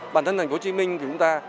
bản thân thành phố hồ chí minh thì chúng ta